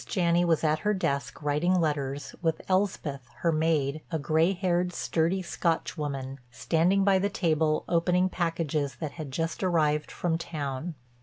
Janney was at her desk writing letters, with Elspeth, her maid, a gray haired, sturdy Scotch woman, standing by the table opening packages that had just arrived from town.